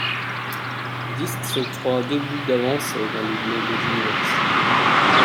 Diest s'octroie deux buts d'avance avec un doublé d'Eddy Lievens.